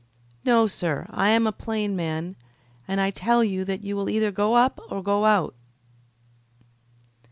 No, sir, I am a plain man, and I tell you that you will either go up or go out."